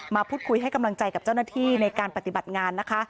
มาพูดคุยให้กำลังใจกับเจ้าหน้าที่ในการปฏิบัติงานนะคะ